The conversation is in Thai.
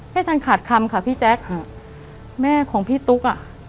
ไม่ทันขาดคำค่ะพี่แจ๊คฮะแม่ของพี่ตุ๊กอ่ะ